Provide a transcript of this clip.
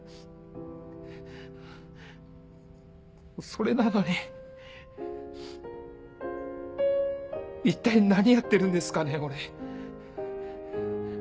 それなのに一体何やってるんですかね俺。